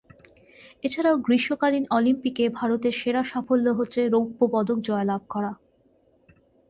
এছাড়াও, গ্রীষ্মকালীন অলিম্পিকে ভারতের সেরা সাফল্য হচ্ছে রৌপ্য পদক জয়লাভ করা।